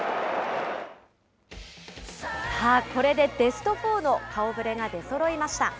さあ、これでベストフォーの顔ぶれが出そろいました。